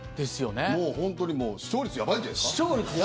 本当にもう視聴率やばいんじゃないですか？